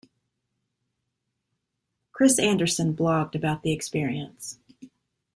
Chris Anderson blogged about the experience.